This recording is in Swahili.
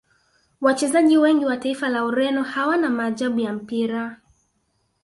wachezaji wengi wa taifa la Ureno hawana maajabu ya mpira